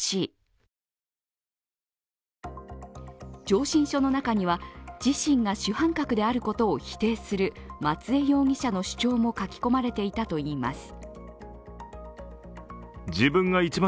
上申書の中には、自身が主犯格であることを否定する松江容疑者の主張も書き込まれていたといいます。